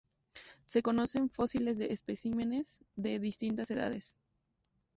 Se conocen fósiles de especímenes de distintas edades.